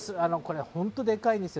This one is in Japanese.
本当にでかいんですよ。